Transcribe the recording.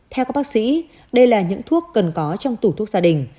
theo các bác sĩ đây là những thuốc cần có trong tủ thuốc gia đình